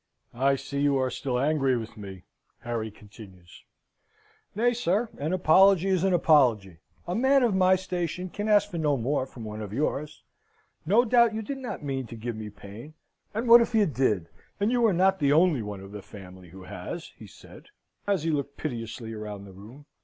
"I see you are still angry with me," Harry continues. "Nay, sir, an apology is an apology. A man of my station can ask for no more from one of yours. No doubt you did not mean to give me pain. And what if you did? And you are not the only one of the family who has," he said, as he looked piteously round the room.